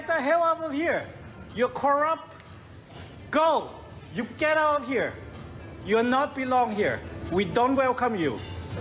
เช้าไม่ควรอยู่ที่นี่เราไม่บ่อยอยากว้างคุณ